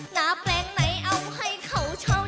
หน้าแปลงไหนเอาให้เขาเช่า